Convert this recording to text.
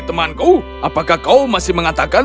temanku apakah kau masih mengatakan